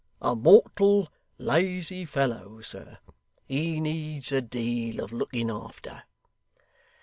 A mortal lazy fellow, sir; he needs a deal of looking after.